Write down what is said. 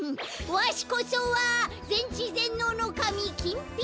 わしこそはぜんちぜんのうのかみキンピラ！